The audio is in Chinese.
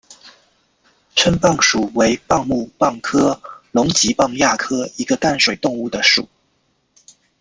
蛏蚌属为蚌目蚌科隆嵴蚌亚科一个淡水动物的属。